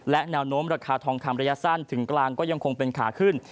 และแนวโน้มราคาทองคำระยะสั้นถึงกลางก็ยังคงเป็นขาขึ้น